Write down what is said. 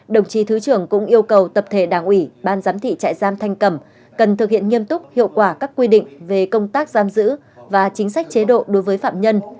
đồng chí thứ trưởng cũng yêu cầu tập thể đảng ủy ban giám thị trại giam thanh cầm cần thực hiện nghiêm túc hiệu quả các quy định về công tác giam giữ và chính sách chế độ đối với phạm nhân